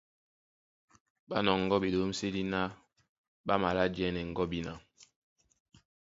Ɓá nɔŋgɔ́ ɓeɗǒmsédí ná ɓá malá jɛ́nɛ gɔ́bina.